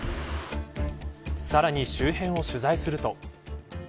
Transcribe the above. さらに周辺を取材すると。